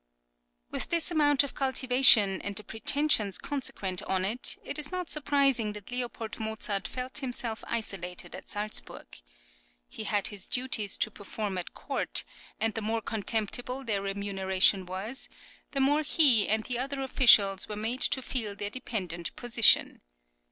With this amount of cultivation, and the pretensions consequent on it, it is not surprising that Leopold Mozart felt himself isolated at Salzburg. He had his duties to perform at court, and the more contemptible their remuneration was, the more he and the other officials were made to feel their dependent position.